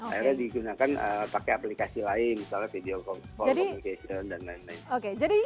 akhirnya digunakan pakai aplikasi lain misalnya video call communication dan lain lain